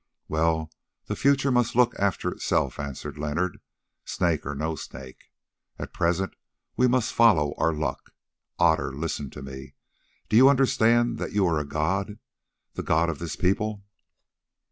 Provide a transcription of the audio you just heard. "Well, the future must look after itself," answered Leonard, "snake or no snake. At present we must follow our luck. Otter, listen to me. Do you understand that you are a god, the god of this people?"